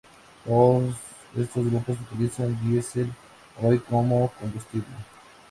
Todos estos grupos utilizan diesel oil como combustible.